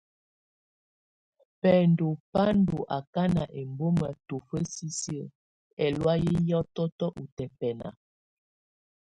Bǝŋdu bá ndɔ̀ akana ɛmbɔma tɔfa sisi ɛlɔ̀áyɛ hiɔtɔtɔ utɛpɛna.